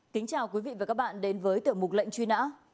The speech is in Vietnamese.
kính chào quý vị và các bạn đến với tiểu mục lệnh truy nã